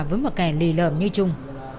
với một kẻ lì lợm như trung